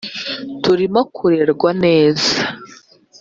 turimo kurerwa neza